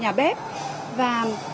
nhà bếp và